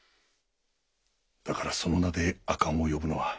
だからその名で赤子を呼ぶのは。